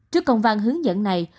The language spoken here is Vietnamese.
trước công văn hướng dẫn này